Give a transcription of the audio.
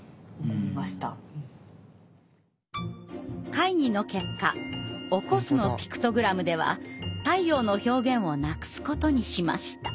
会議の結果「起こす」のピクトグラムでは太陽の表現をなくすことにしました。